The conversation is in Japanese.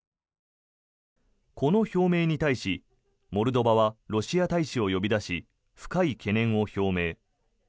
この表明に対しモルドバはロシア大使を呼び出し深い懸念を表明。